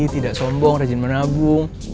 tidak sombong rajin menabung